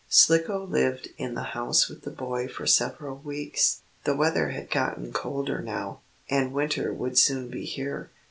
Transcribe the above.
Slicko lived in the house with the boy for several weeks. The weather had gotten colder now, and winter would soon be here.